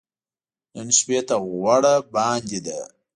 نن شپې ته غوړه باندې ده .